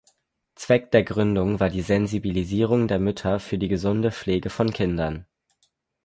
Zweck der Gründung war die Sensibilisierung der Mütter für die gesunde Pflege von Kindern.